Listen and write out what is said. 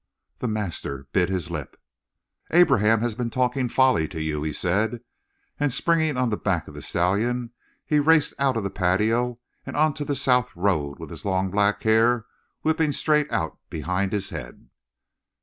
The master bit his lip. "Abraham has been talking folly to you," he said; and, springing on the back of the stallion, he raced out of the patio and on to the south road with his long, black hair whipping straight out behind his head.